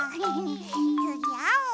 つぎあお！